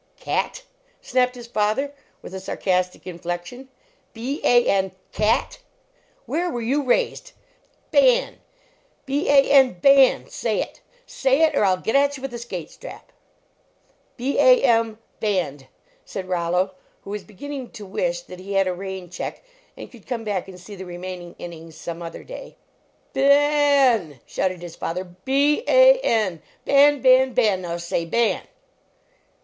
" Cat? " snapped his father, with a sar castic inflection, " b a n, cat! Where were you raised ? Ban ! B a n Ban ! Say it ! Say it, or I ll get at you with a skate strap !" B a m, band," said Rollo, who was be ginning to wish that he had a rain check and could come back and see the remaining innings some other day. " Ba a a an!" shouted his father, "B a n, Ban, Ban, Ban ! Now say Ban